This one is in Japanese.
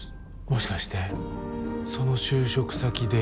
もしかしてその就職先で。